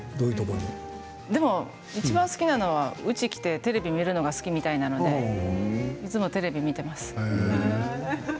でも、いちばん好きなのはうちに来てテレビを見るのが好きみたいなのでいつもテレビを見ています。